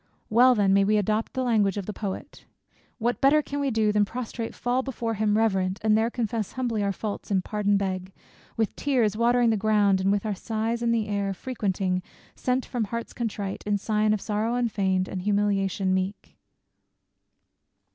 Well then may we adopt the language of the poet: What better can we do, than prostrate fall Before him reverent; and there confess Humbly our faults, and pardon beg; with tears Watering the ground, and with our sighs the air Frequenting, sent from hearts contrite, in sign Of sorrow unfeign'd, and humiliation meek?